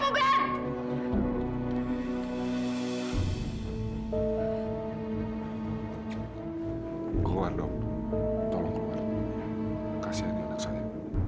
pergi coba tahan kau pergi